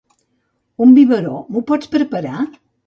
Un biberó m'ho pots preparar?